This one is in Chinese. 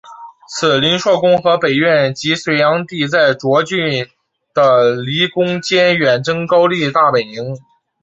此临朔宫和北苑即隋炀帝在涿郡的离宫兼远征高丽大本营。